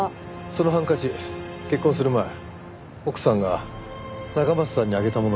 そのハンカチ結婚する前奥さんが中松さんにあげたものでした。